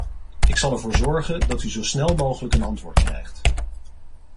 Ik zal er voor zorgen dat u zo snel mogelijk een antwoord krijgt.